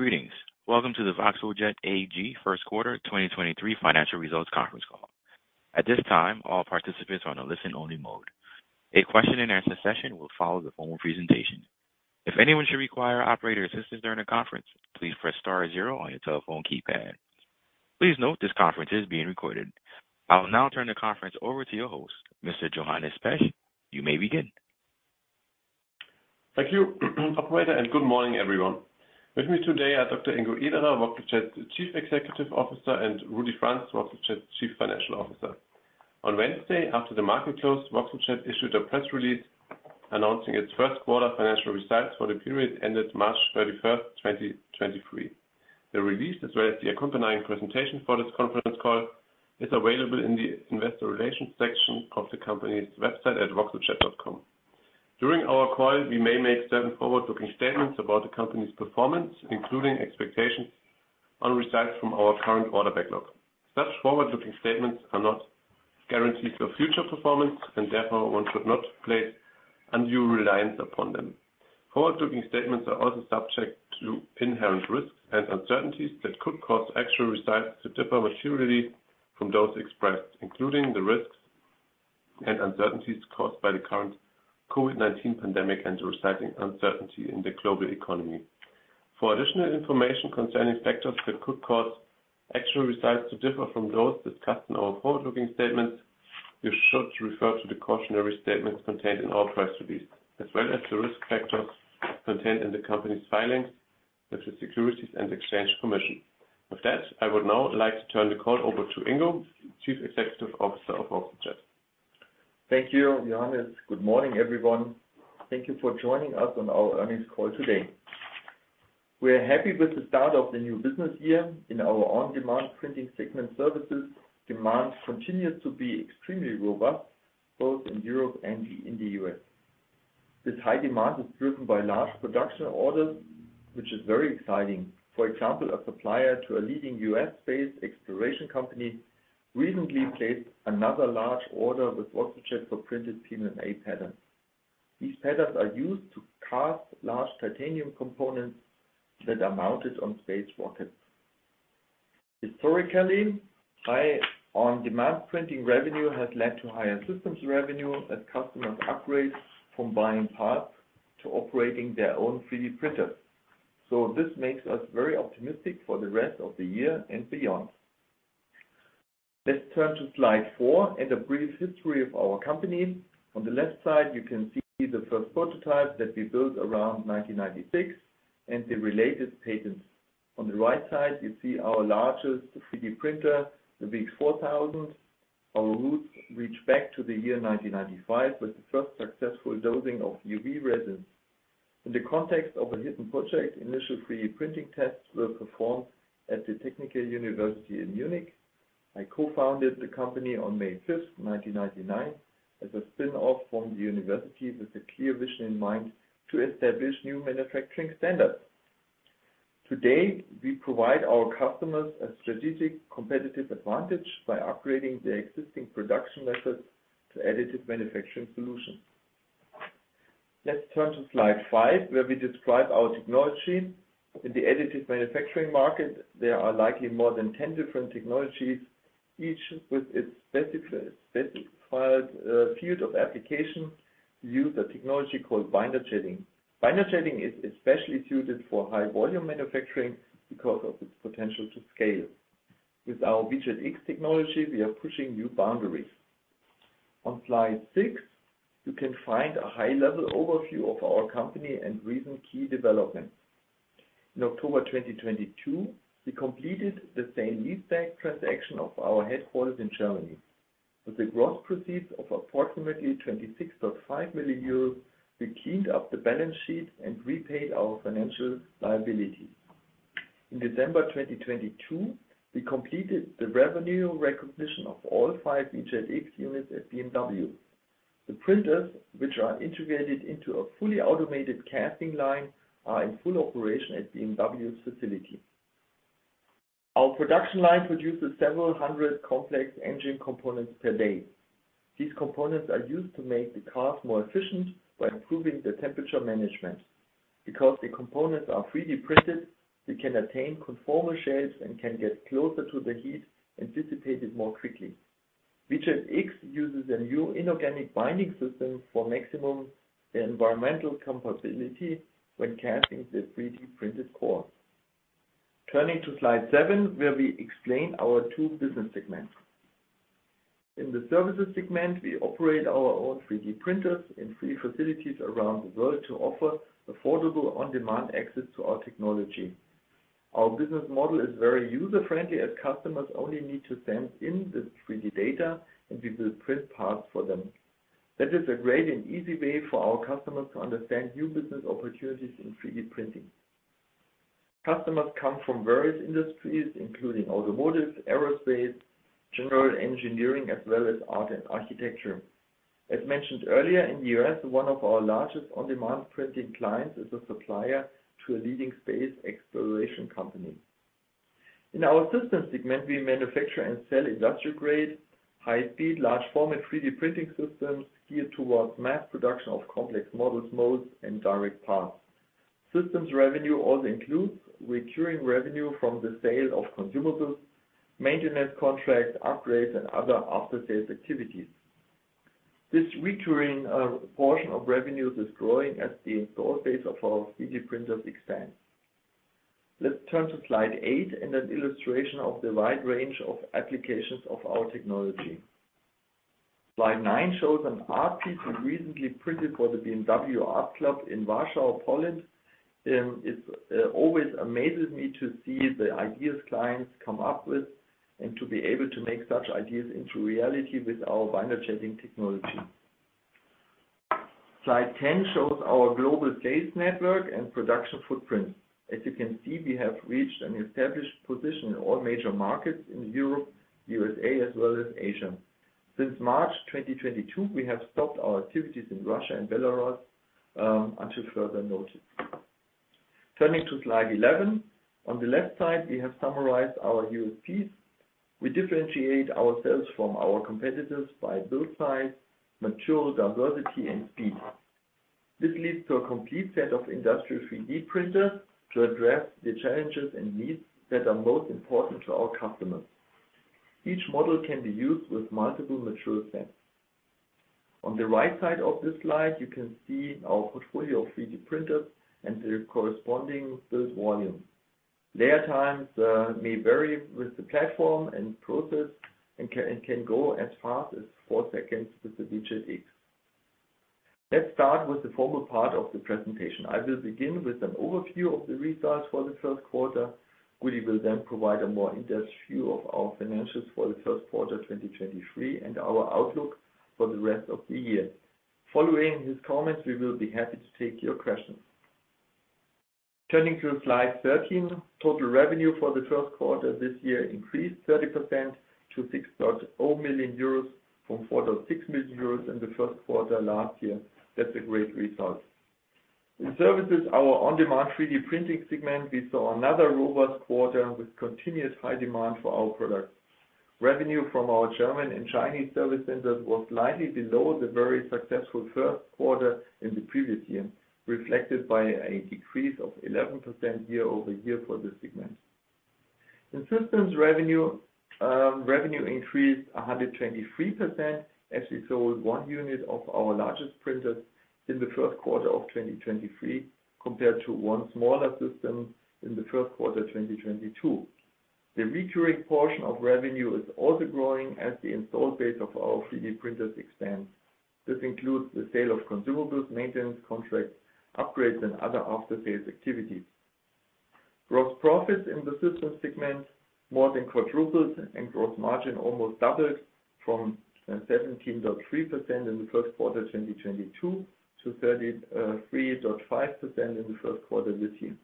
Greetings. Welcome to the voxeljet AG first quarter 2023 financial results conference call. At this time, all participants are on a listen only mode. A question and answer session will follow the formal presentation. If anyone should require operator assistance during the conference, please press star zero on your telephone keypad. Please note this conference is being recorded. I will now turn the conference over to your host, Mr. Johannes Pesch. You may begin. Thank you operator. Good morning, everyone. With me today are Dr. Ingo Ederer, voxeljet's Chief Executive Officer, and Rudi Franz, voxeljet's Chief Financial Officer. On Wednesday, after the market closed, voxeljet issued a press release announcing its first quarter financial results for the period ended March 31, 2023. The release, as well as the accompanying presentation for this conference call, is available in the investor relations section of the company's website at voxeljet.com. During our call, we may make certain forward-looking statements about the company's performance, including expectations on results from our current order backlog. Such forward-looking statements are not guarantees of future performance, and therefore one should not place undue reliance upon them. Forward-looking statements are also subject to inherent risks and uncertainties that could cause actual results to differ materially from those expressed, including the risks and uncertainties caused by the current COVID-19 pandemic and the resulting uncertainty in the global economy. For additional information concerning factors that could cause actual results to differ from those discussed in our forward-looking statements, you should refer to the cautionary statements contained in our press release, as well as the risk factors contained in the company's filings with the Securities and Exchange Commission. With that, I would now like to turn the call over to Ingo, Chief Executive Officer of voxeljet. Thank you, Johannes. Good morning, everyone. Thank you for joining us on our earnings call today. We are happy with the start of the new business year. In our on-demand printing segment services, demand continues to be extremely robust, both in Europe and in the U.S. This high demand is driven by large production orders, which is very exciting. For example, a supplier to a leading U.S.-based exploration company recently placed another large order with voxeljet for printed PMMA patterns. These patterns are used to cast large titanium components that are mounted on space rockets. Historically, high on-demand printing revenue has led to higher systems revenue as customers upgrade from buying parts to operating their own 3D printers. This makes us very optimistic for the rest of the year and beyond. Let's turn to slide 4 and a brief history of our company. On the left side, you can see the first prototype that we built around 1996 and the related patents. On the right side, you see our largest 3D printer, the VX4000. Our roots reach back to the year 1995, with the first successful dosing of UV-resin. In the context of a hidden project, initial 3D printing tests were performed at the Technical University Munich. I co-founded the company on May 5th, 1999, as a spin-off from the university with a clear vision in mind to establish new manufacturing standards. Today, we provide our customers a strategic competitive advantage by upgrading their existing production methods to additive manufacturing solutions. Let's turn to slide 5, where we describe our technology. In the additive manufacturing market, there are likely more than 10 different technologies, each with its specific, specified field of application. We use a technology called binder jetting. Binder jetting is especially suited for high volume manufacturing because of its potential to scale. With our VJET X technology, we are pushing new boundaries. On slide 6, you can find a high-level overview of our company and recent key developments. In October 2022, we completed the sale leaseback transaction of our headquarters in Germany. With the gross proceeds of approximately 26.5 million euros, we cleaned up the balance sheet and repaid our financial liabilities. In December 2022, we completed the revenue recognition of all 5 VJET X units at BMW. The printers, which are integrated into a fully automated casting line, are in full operation at BMW's facility. Our production line produces several hundred complex engine components per day. These components are used to make the cars more efficient by improving the temperature management. Because the components are 3D printed, they can attain conformal shapes and can get closer to the heat and dissipate it more quickly. VJET X uses a new inorganic binder system for maximum environmental compatibility when casting the 3D-printed core. Turning to slide 7, where we explain our two business segments. In the services segment, we operate our own 3D printers in 3 facilities around the world to offer affordable on-demand access to our technology. Our business model is very user-friendly, as customers only need to send in the 3D data, and we will print parts for them. That is a great and easy way for our customers to understand new business opportunities in 3D printing. Customers come from various industries, including automotive, aerospace, general engineering, as well as art and architecture. As mentioned earlier, in the US, one of our largest on-demand printing clients is a supplier to a leading space exploration company. In our system segment, we manufacture and sell industrial-grade, high-speed, large format 3D printing systems geared towards mass production of complex models, molds, and direct parts. Systems revenue also includes recurring revenue from the sale of consumables, maintenance contracts, upgrades, and other after-sales activities. This recurring portion of revenues is growing as the install base of our 3D printers expands. Let's turn to slide 8 and an illustration of the wide range of applications of our technology. Slide 9 shows an art piece we recently printed for the BMW Art Club in Warsaw, Poland. It always amazes me to see the ideas clients come up with and to be able to make such ideas into reality with our binder jetting technology. Slide 10 shows our global sales network and production footprint. As you can see, we have reached an established position in all major markets in Europe, U.S.A., as well as Asia. Since March 2022, we have stopped our activities in Russia and Belarus until further notice. Turning to slide 11. On the left side, we have summarized our USPs. We differentiate ourselves from our competitors by build size, material diversity, and speed. This leads to a complete set of industrial 3D printers to address the challenges and needs that are most important to our customers. Each model can be used with multiple material sets. On the right side of this slide, you can see our portfolio of 3D printers and their corresponding build volumes. Layer times may vary with the platform and process, and can go as fast as 4 seconds with the VJET X. Let's start with the formal part of the presentation. I will begin with an overview of the results for the first quarter. Rudi Franz will provide a more in-depth view of our financials for the first quarter, 2023, and our outlook for the rest of the year. Following his comments, we will be happy to take your questions. Turning to slide 13. Total revenue for the first quarter this year increased 30% to 6.0 million euros, from 4.6 million euros in the first quarter last year. That's a great result. In services, our on-demand 3D printing segment, we saw another robust quarter with continuous high demand for our products. Revenue from our German and Chinese service centers was slightly below the very successful first quarter in the previous year, reflected by a decrease of 11% year-over-year for this segment. In systems revenue increased 123% as we sold 1 unit of our largest printers in the first quarter of 2023, compared to 1 smaller system in the first quarter of 2022. The recurring portion of revenue is also growing as the install base of our 3D printers expands. This includes the sale of consumables, maintenance contracts, upgrades, and other after-sales activities. Gross profits in the systems segment more than quadrupled, and gross margin almost doubled from 17.3% in the first quarter of 2022, to 33.5% in the first quarter this year.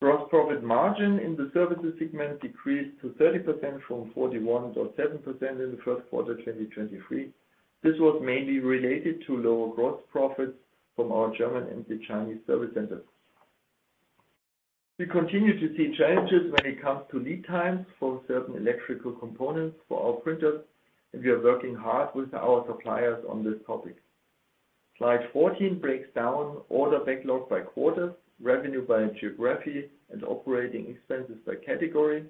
Gross profit margin in the services segment decreased to 30% from 41.7% in the first quarter of 2023. This was mainly related to lower gross profits from our German and the Chinese service centers. We continue to see challenges when it comes to lead times for certain electrical components for our printers, and we are working hard with our suppliers on this topic. Slide 14 breaks down order backlogs by quarters, revenue by geography, and operating expenses by category.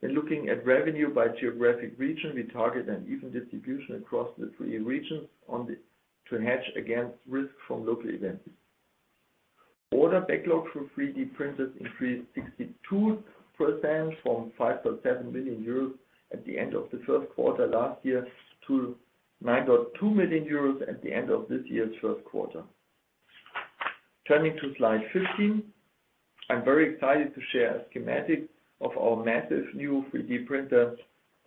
In looking at revenue by geographic region, we target an even distribution across the 3 regions to hedge against risk from local events. Order backlogs for 3D printers increased 62% from 5.7 million euros at the end of the first quarter last year to 9.2 million euros at the end of this year's first quarter. Turning to slide 15. I'm very excited to share a schematic of our massive new 3D printer,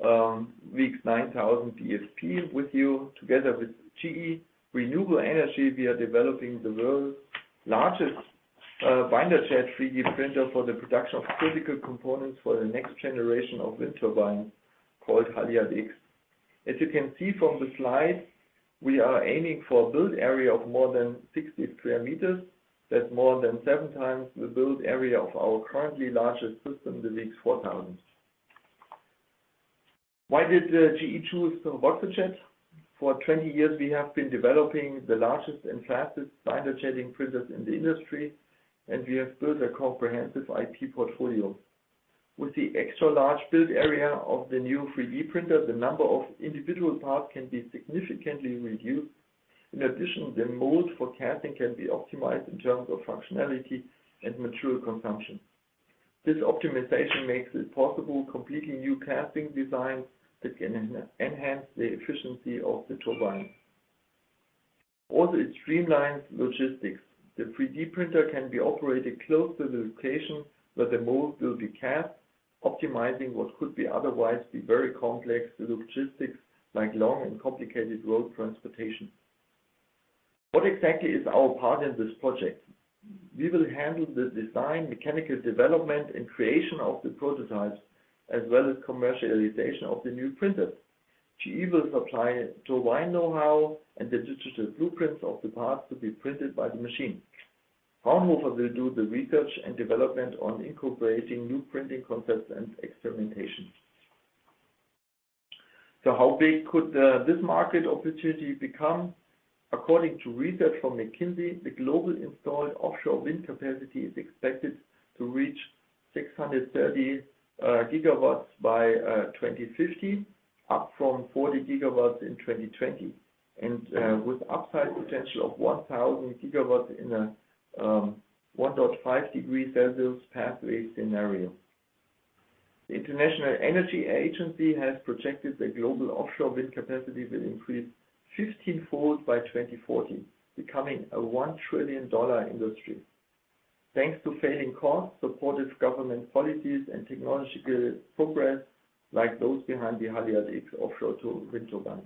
VX9000 with you. Together with GE Renewable Energy, we are developing the world's largest binder jet 3D printer for the production of critical components for the next generation of wind turbines called Haliade-X. As you can see from the slide, we are aiming for a build area of more than 60 square meters. That's more than 7 times the build area of our currently largest system, the VX4000. Why did GE choose voxeljet? For 20 years, we have been developing the largest and fastest binder jetting printers in the industry, and we have built a comprehensive IP portfolio. With the extra large build area of the new 3D printer, the number of individual parts can be significantly reduced. In addition, the mold for casting can be optimized in terms of functionality and material consumption. This optimization makes it possible completely new casting designs that can enhance the efficiency of the turbine. It streamlines logistics. The 3D printer can be operated close to the location where the mold will be cast, optimizing what could otherwise be very complex logistics, like long and complicated road transportation. What exactly is our part in this project? We will handle the design, mechanical development, and creation of the prototypes, as well as commercialization of the new printers. GE will supply turbine know-how and the digital blueprints of the parts to be printed by the machine. Fraunhofer will do the research and development on incorporating new printing concepts and experimentation. How big could this market opportunity become? According to research from McKinsey, the global installed offshore wind capacity is expected to reach 630 gigawatts by 2050, up from 40 gigawatts in 2020, with upside potential of 1,000 gigawatts in a 1.5 degree Celsius pathway scenario. The International Energy Agency has projected the global offshore wind capacity will increase 15-fold by 2040, becoming a $1 trillion industry. Thanks to failing costs, supportive government policies, and technological progress like those behind the Haliade-X offshore wind turbine.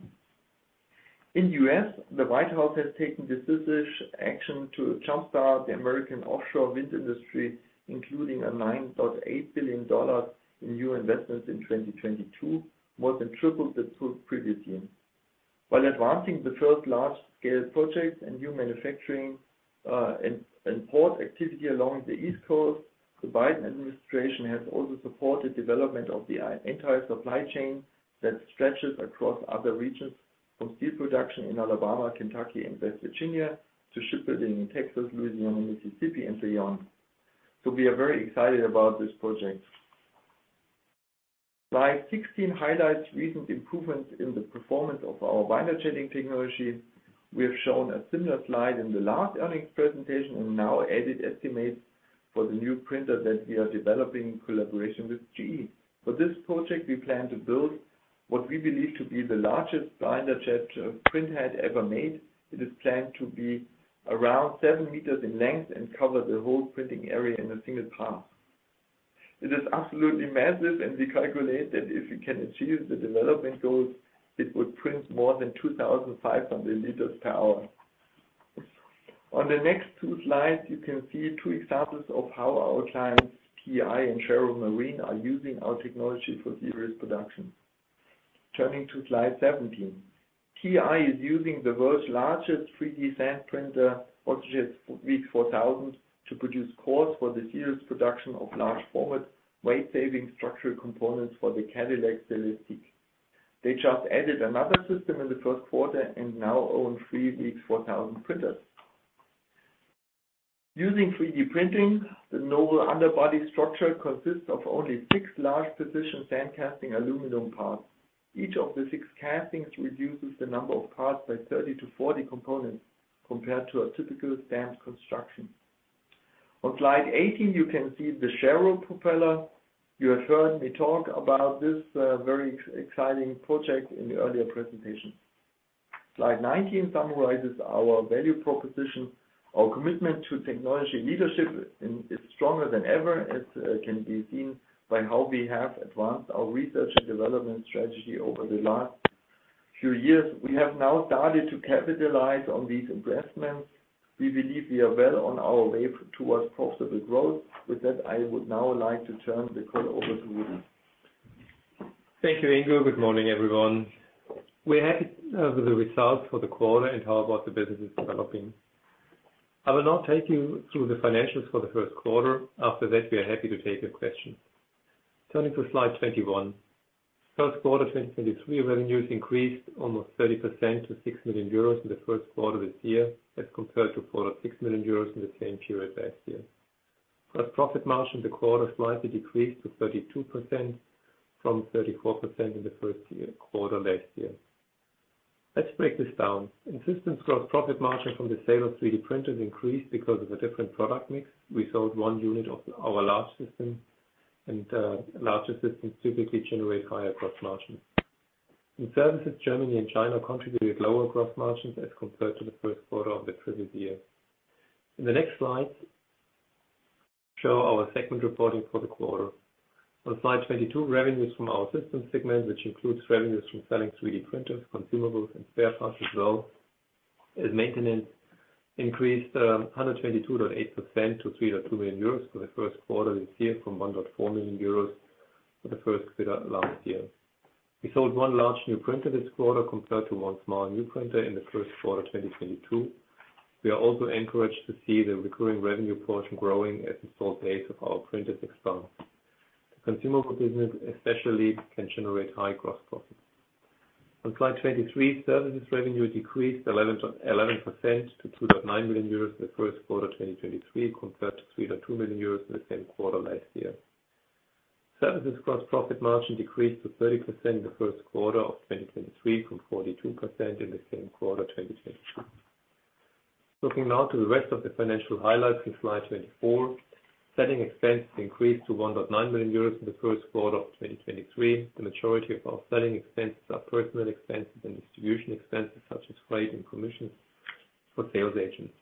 In the U.S., the White House has taken decisive action to jump-start the American offshore wind industry, including $9.8 billion in new investments in 2022, more than triple the previous year. While advancing the first large-scale projects and new manufacturing, and port activity along the East Coast, the Biden administration has also supported development of the entire supply chain that stretches across other regions, from steel production in Alabama, Kentucky, and West Virginia, to shipbuilding in Texas, Louisiana, Mississippi, and beyond. We are very excited about this project. Slide 16 highlights recent improvements in the performance of our binder jetting technology. We have shown a similar slide in the last earnings presentation and now added estimates for the new printer that we are developing in collaboration with GE. For this project, we plan to build what we believe to be the largest binder jet printhead ever made. It is planned to be around 7 meters in length and cover the whole printing area in a single pass. It is absolutely massive, and we calculate that if we can achieve the development goals, it would print more than 2,500 liters per hour. On the next 2 slides, you can see 2 examples of how our clients, TEI and Sharrow Marine, are using our technology for serious production. Turning to slide 17. TEI is using the world's largest 3D sand printer, voxeljet VX4000, to produce cores for the serious production of large format, weight-saving structural components for the Cadillac CELESTIQ. They just added another system in the 1st quarter and now own 3 VX4000 printers. Using 3D printing, the novel underbody structure consists of only 6 large precision sand casting aluminum parts. Each of the 6 castings reduces the number of parts by 30-40 components compared to a typical stamped construction. On slide 18, you can see the Sharrow propeller. You have heard me talk about this very exciting project in the earlier presentation. Slide 19 summarizes our value proposition. Our commitment to technology leadership is stronger than ever, as can be seen by how we have advanced our research and development strategy over the last few years. We have now started to capitalize on these investments. We believe we are well on our way towards profitable growth. With that, I would now like to turn the call over to Rudi. Thank you, Ingo. Good morning, everyone. We're happy with the results for the quarter and how about the business is developing. I will now take you through the financials for the first quarter. After that, we are happy to take your questions. Turning to slide 21. First quarter 2023 revenues increased almost 30% to 6 million euros in the first quarter this year, as compared to 4.6 million euros in the same period last year. Gross profit margin in the quarter slightly decreased to 32% from 34% in the first quarter last year. Let's break this down. In Systems, gross profit margin from the sale of 3D printers increased because of a different product mix. We sold one unit of our large system and larger systems typically generate higher gross margin. In Services, Germany and China contributed lower gross margins as compared to the first quarter of the previous year. In the next slide, show our segment reporting for the quarter. On slide 22, revenues from our Systems segment, which includes revenues from selling 3D printers, consumables, and spare parts as well as maintenance, increased 122.8% to 3.2 million euros for the first quarter this year from 1.4 million euros for the first quarter last year. We sold one large new printer this quarter compared to one small new printer in the first quarter of 2022. We are also encouraged to see the recurring revenue portion growing as the install base of our printers expands. The consumable business especially can generate high gross profit. On slide 23, Services revenue decreased 11% to 2.9 million euros in the first quarter of 2023, compared to 3.2 million euros in the same quarter last year. Services gross profit margin decreased to 30% in the first quarter of 2023 from 42% in the same quarter 2022. Looking now to the rest of the financial highlights in slide 24. Selling expenses increased to 1.9 million euros in the first quarter of 2023. The majority of our selling expenses are personal expenses and distribution expenses such as freight and commission for sales agents.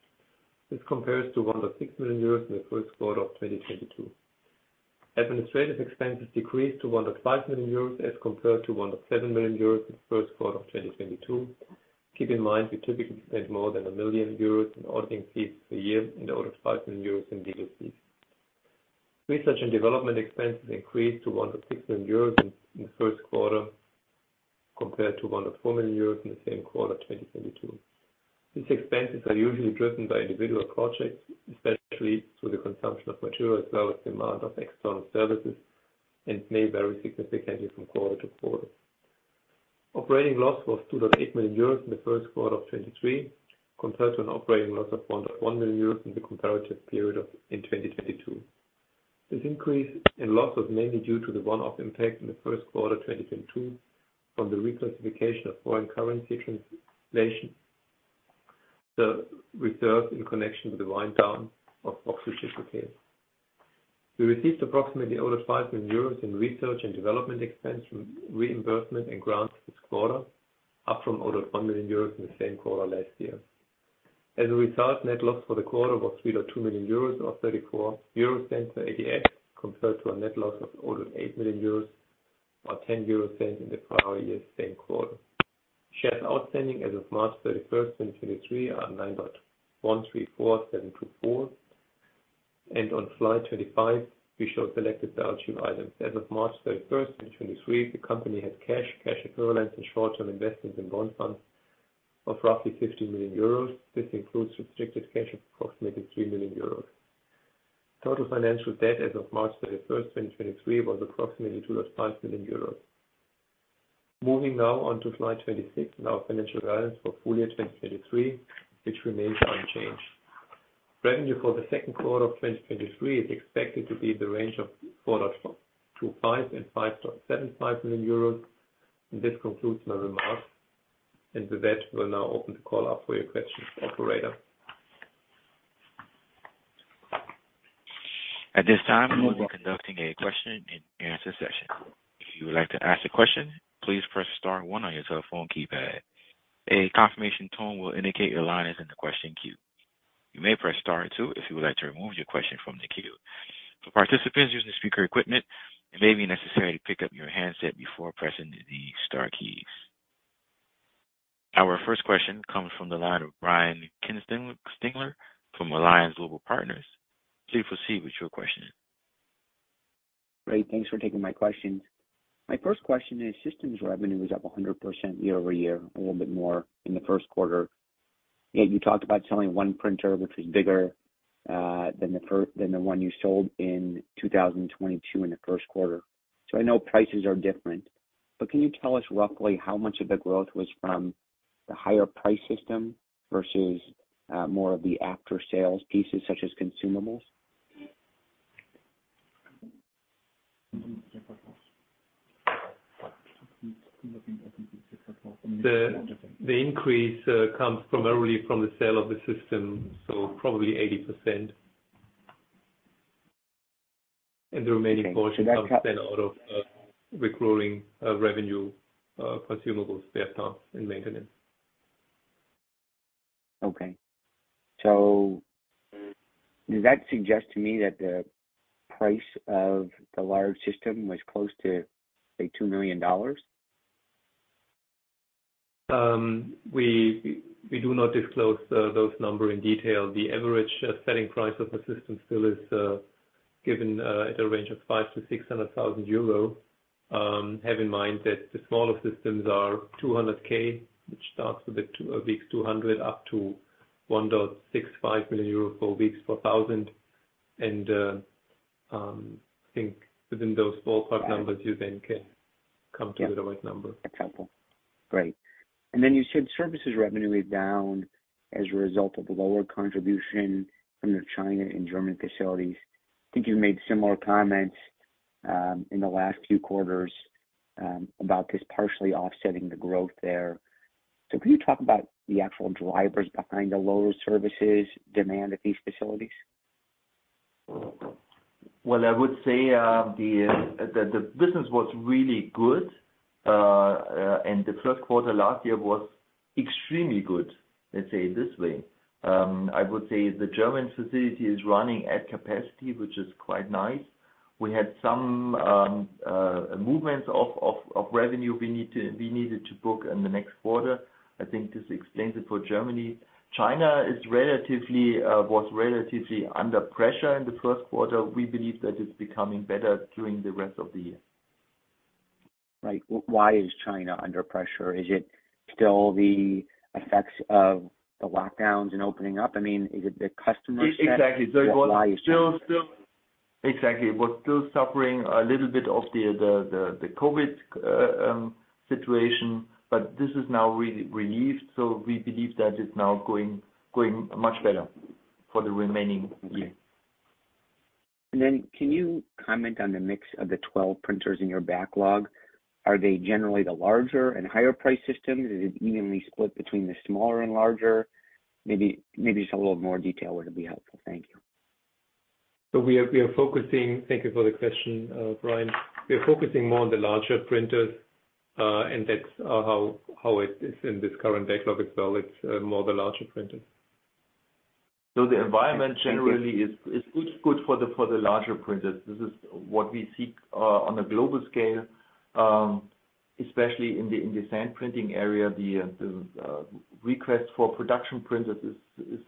This compares to 1.6 million euros in the first quarter of 2022. Administrative expenses decreased to 1.5 million euros as compared to 1.7 million euros in the first quarter of 2022. Keep in mind we typically spend more than 1 million euros in auditing fees a year in order 5 million euros in legal fees. Research and development expenses increased to 1.6 million euros in the first quarter compared to 1.4 million euros in the same quarter, 2022. These expenses are usually driven by individual projects, especially through the consumption of material as well as demand of external services, may vary significantly from quarter to quarter. Operating loss was 2.8 million euros in the first quarter of 2023, compared to an operating loss of 1.1 million euros in the comparative period in 2022. This increase in loss was mainly due to the one-off impact in the first quarter of 2022 from the reclassification of foreign currency translation, the reserve in connection with the wind down of voxeljet UK Ltd. We received approximately 0.5 million euros in research and development expense from reimbursement and grants this quarter, up from 0.1 million euros in the same quarter last year. As a result, net loss for the quarter was 3.2 million euros, or 0.34 per ADS, compared to a net loss of 0.8 million euros or 0.10 in the prior year's same quarter. Shares outstanding as of March 31st, 2023 are 9,134,724. On slide 25, we show selected balance sheet items. As of March 31st, 2023, the company had cash equivalents, and short-term investments and bond funds of roughly 50 million euros. This includes restricted cash of approximately 3 million euros. Total financial debt as of March 31st, 2023 was approximately 2.5 million euros. Moving now on to slide 26 and our financial guidance for full year 2023, which remains unchanged. Revenue for the second quarter of 2023 is expected to be in the range of 4.25 million euros and 5.75 million euros. This concludes my remarks. With that, we'll now open the call up for your questions. Operator? At this time, we'll be conducting a question and answer session. If you would like to ask a question, please press star one on your telephone keypad. A confirmation tone will indicate your line is in the question queue. You may press star two if you would like to remove your question from the queue. For participants using speaker equipment, it may be necessary to pick up your handset before pressing the star keys. Our first question comes from the line of Brian Kinstlinger from Alliance Global Partners. Please proceed with your question. Great. Thanks for taking my questions. My first question is, systems revenue was up 100% year-over-year, a little bit more in the first quarter. Yet you talked about selling 1 printer, which was bigger, than the one you sold in 2022 in the first quarter. I know prices are different, but can you tell us roughly how much of the growth was from the higher price system versus, more of the after-sales pieces such as consumables? The increase comes primarily from the sale of the system, so probably 80%. The remaining portion comes then out of recurring revenue, consumables, spare parts and maintenance. Okay. Does that suggest to me that the price of the large system was close to, say, $2 million? We do not disclose those number in detail. The average selling price of the system still is given at a range of 500,000-600,000 euro. Have in mind that the smaller systems are 200K, which starts with a VX200 up to 1.65 million euro for VX4000. I think within those ballpark numbers. Right. You can come to the right number. Yep. That's helpful. Great. You said services revenue is down as a result of the lower contribution from the China and German facilities. I think you've made similar comments in the last few quarters about this partially offsetting the growth there. Can you talk about the actual drivers behind the lower services demand at these facilities? Well, I would say the business was really good. The first quarter last year was extremely good. Let's say it this way. I would say the German facility is running at capacity, which is quite nice. We had some movements of revenue we needed to book in the next quarter. I think this explains it for Germany. China is relatively, was relatively under pressure in the first quarter. We believe that it's becoming better during the rest of the year. Right. Why is China under pressure? Is it still the effects of the lockdowns and opening up? I mean, is it the customer set? E-exactly. What lies-. Still. Exactly. It was still suffering a little bit of the COVID situation, but this is now relieved, so we believe that it's now going much better for the remaining year. Okay. Then can you comment on the mix of the 12 printers in your backlog? Are they generally the larger and higher price systems? Is it evenly split between the smaller and larger? Maybe just a little more detail would be helpful. Thank you. We are focusing. Thank you for the question, Brian. We are focusing more on the larger printers, and that's how it is in this current backlog as well. It's more the larger printers. The environment generally is good for the larger printers. This is what we see on a global scale. Especially in the sand printing area, the request for production printers is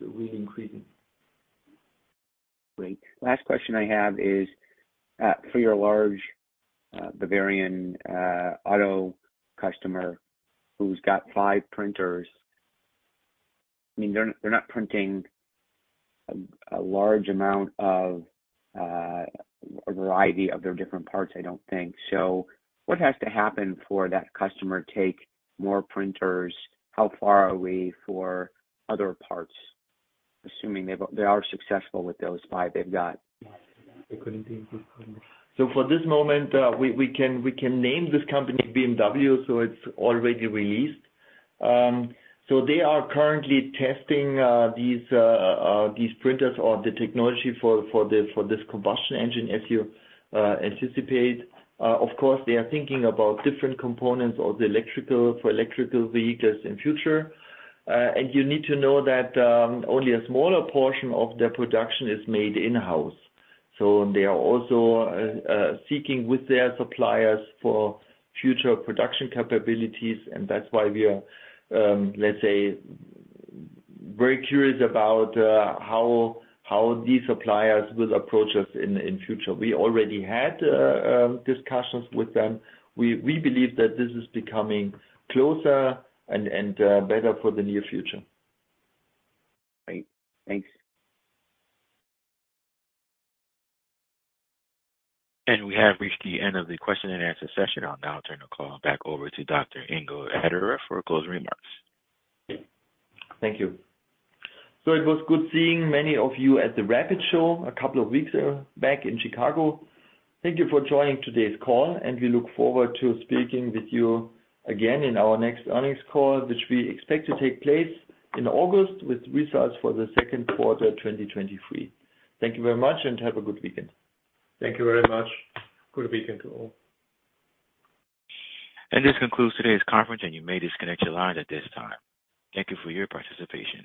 really increasing. Great. Last question I have is for your large Bavarian auto customer who's got 5 printers. I mean, they're not printing a large amount of a variety of their different parts, I don't think. What has to happen for that customer take more printers? How far are we for other parts, assuming they are successful with those 5 they've got? For this moment, we can name this company BMW, so it's already released. They are currently testing these printers or the technology for this combustion engine, as you anticipate. Of course, they are thinking about different components for electrical vehicles in future. You need to know that only a smaller portion of their production is made in-house. They are also seeking with their suppliers for future production capabilities, and that's why we are, let's say, very curious about how these suppliers will approach us in future. We already had discussions with them. We believe that this is becoming closer and better for the near future. Great. Thanks. We have reached the end of the question and answer session. I'll now turn the call back over to Dr. Ingo Ederer for closing remarks. Thank you. It was good seeing many of you at the RAPID + TCT show a couple of weeks back in Chicago. Thank you for joining today's call. We look forward to speaking with you again in our next earnings call, which we expect to take place in August with results for the second quarter of 2023. Thank you very much. Have a good weekend. Thank you very much. Good weekend to all. This concludes today's conference, and you may disconnect your lines at this time. Thank you for your participation.